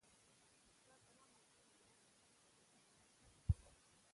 په دوام د تیري یوې اونۍ په جریان کي